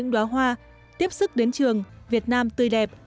đoá hoa tiếp sức đến trường việt nam tươi đẹp